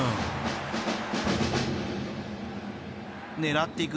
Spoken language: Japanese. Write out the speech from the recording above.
［狙っていく。